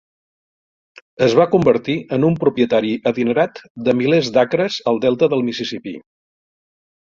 Es va convertir en un propietari adinerat de milers d'acres al delta del Mississipí.